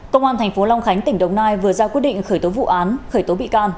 công an tp long khánh tỉnh đồng nai vừa ra quyết định khởi tố vụ án khởi tố bị can